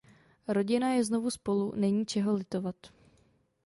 Rodina je znovu spolu, není čeho litovat.